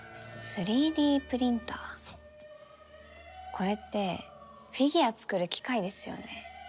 これってフィギュア作る機械ですよね。